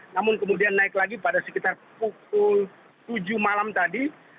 namun kemudian naik lagi pada sekitar pukul tujuh malam tadi